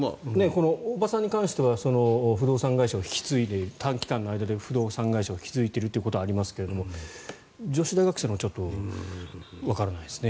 叔母さんに関しては不動産会社を引き継いで短期間の間で不動産会社を引き継いでいるということがありますが女子大学生はちょっとわからないですね。